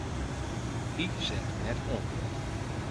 Hy seach net om.